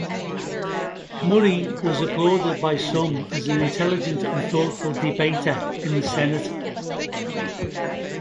Murray was applauded by some as an intelligent and thoughtful debater in the Senate.